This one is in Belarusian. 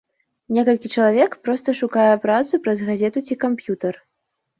Некалькі чалавек проста шукае працу праз газету ці камп'ютар.